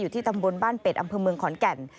ที่ตำบลบ้านเป็ดอำเภอเมืองขอนแก่น